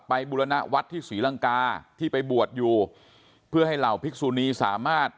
บุรณวัฒน์ที่ศรีลังกาที่ไปบวชอยู่เพื่อให้เหล่าพิกษุนีสามารถ